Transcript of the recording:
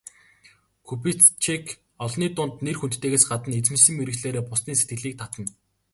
Кубицчек олны дунд нэр хүндтэйгээс гадна эзэмшсэн мэргэжлээрээ бусдын сэтгэлийг татна.